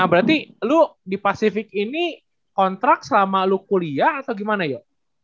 nah berarti lu di pasifik ini kontrak selama lo kuliah atau gimana ya